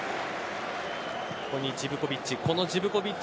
ここにジヴコヴィッチ。